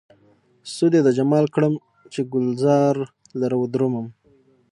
سود يې د جمال کړم، چې ګلزار لره ودرومم